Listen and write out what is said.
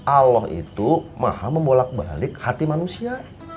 allah itu maha membolak balik hati manusia